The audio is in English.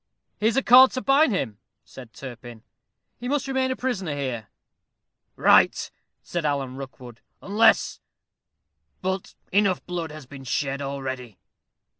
"Here is a cord to bind him," said Turpin; "he must remain a prisoner here." "Right," said Alan Rookwood, "unless but enough blood has been shed already."